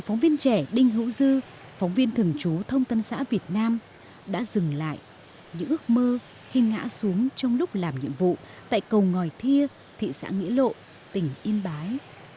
phóng viên trẻ đinh hữu dư phóng viên thường trú thông tân xã việt nam đã dừng lại những ước mơ khi ngã xuống trong lúc làm nhiệm vụ tại cầu ngòi thia thị xã nghĩa lộ tỉnh yên bái